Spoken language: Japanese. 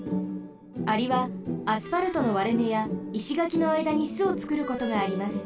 アリはアスファルトのわれめやいしがきのあいだにすをつくることがあります。